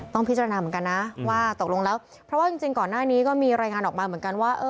ต้องพิจารณาเหมือนกันนะว่าตกลงแล้วเพราะว่าจริงก่อนหน้านี้ก็มีรายงานออกมาเหมือนกันว่า